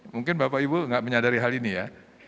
mungkin bapak ibu nggak menyadari hal ini ya